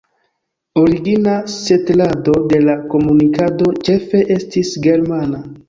Origina setlado de la komunikado ĉefe estis germana.